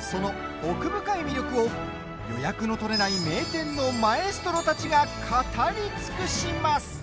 その奥深い魅力を予約の取れない名店のマエストロたちが語り尽くします。